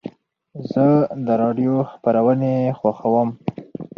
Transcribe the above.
زه د راډیو خپرونې خوښوم.